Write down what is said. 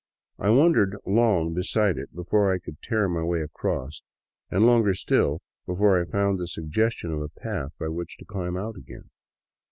I wandered long be side it before I could tear my way across, and longer still before I found the suggestion of a path by which to climb out again.